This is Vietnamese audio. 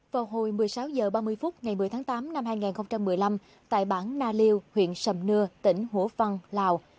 vào hồi một mươi sáu h ba mươi phút ngày một mươi tháng tám năm hai nghìn một mươi năm tại bản na liêu huyện sầm nưa tỉnh hủa phăn lào